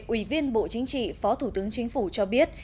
ủy viên bộ chính trị phó thủ tướng chính phủ cho biết